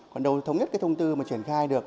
còn đâu thống nhất cái thông tư mà triển khai được